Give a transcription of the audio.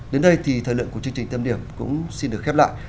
đến đây thì thời lượng của chương trình tâm điểm cũng xin được khép lại